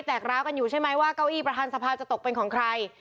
กร้าวกันอยู่ใช่ไหมว่าเก้าอี้ประธานสภาจะตกเป็นของใคร